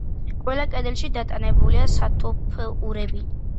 ყველა კედელში დატანებულია სათოფურები.